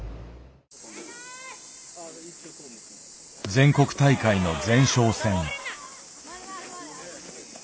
全国大会の前哨戦。